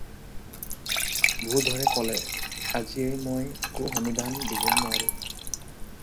ভূধৰে ক'লে- "আজিয়েই মই একো সমিধান দিব নোৱাৰোঁ।"